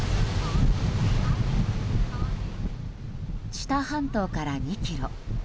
知多半島から２ｋｍ。